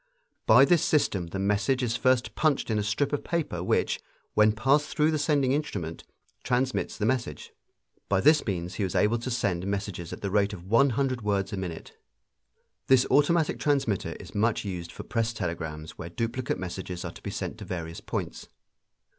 By this system the message is first punched in a strip of paper which, when passed through the sending instrument, transmits the message. By this means he was able to send messages at the rate of one hundred words a minute. This automatic transmitter is much used for press telegrams where duplicate messages are to be sent to various points.